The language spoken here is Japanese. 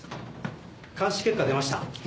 鑑識結果が出ました。